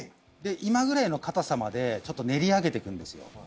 今ぐらいの硬さまで練り上げていくんですよ